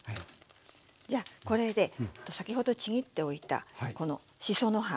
じゃあこれで先ほどちぎっておいたこのしその葉。